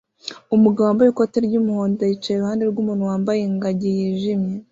Umugabo wambaye ikoti ry'umuhondo yicaye iruhande rwumuntu wambaye ingagi yijimye